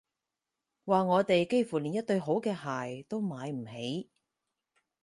話我哋幾乎連一對好啲嘅鞋都買唔起